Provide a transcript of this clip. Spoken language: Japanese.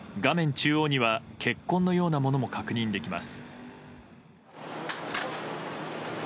中央には血痕のようなものも確認できます。